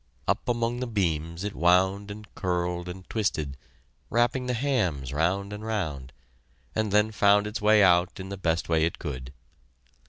Up among the beams it wound and curled and twisted, wrapping the hams round and round, and then found its way out in the best way it could.